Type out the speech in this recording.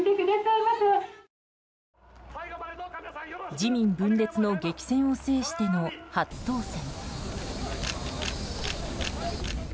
自民分裂の激戦を制しての初当選。